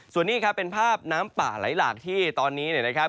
ส่วนนี้ครับเป็นภาพน้ำป่าไหลหลากที่ตอนนี้เนี่ยนะครับ